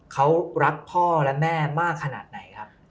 เขารักพ่อและแม่มากขนาดไหนครับ